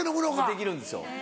できるんですよ。